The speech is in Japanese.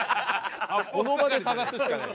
この場で探すしかない。